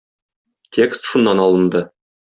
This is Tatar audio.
Текст шуннан алынды.